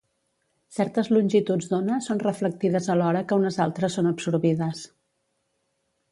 Certes longituds d'ona són reflectides alhora que unes altres són absorbides.